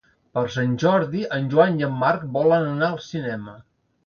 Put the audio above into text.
Per Sant Jordi en Joan i en Marc volen anar al cinema.